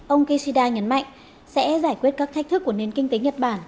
ông kishida nhấn mạnh sẽ giải quyết các thách thức của nền kinh tế nhật bản